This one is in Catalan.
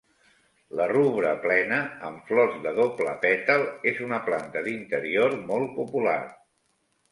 La 'Rubra Plena', amb flors de doble pètal, és una planta d'interior molt popular.